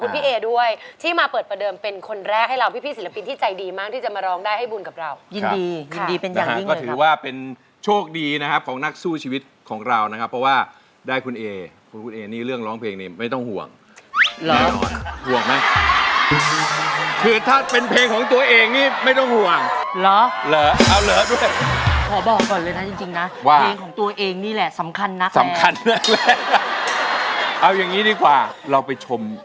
สวัสดีครับ